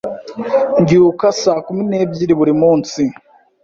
Mbyuka saa kumi n'ebyiri buri munsi.